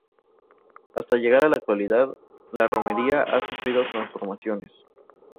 Hasta llegar a la actualidad, la romería ha sufrido transformaciones.